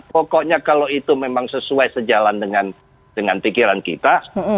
pokoknya kalau itu memang sesuai sejalan dengan pikiran kita